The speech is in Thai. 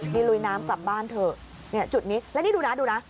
นี่ลุยน้ำกลับบ้านเถอะเนี่ยจุดนี้แล้วนี่ดูนะดูนะ